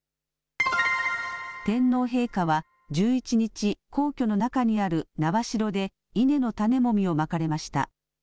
天皇陛下は１１日、皇居の中にある苗代で稲の種もみをまかれました。